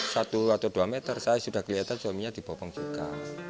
saya sudah kelihatan suaminya di bopong juga